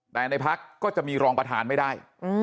แต่ในพักก็จะมีรองประธานไม่ได้